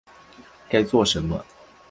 该做什么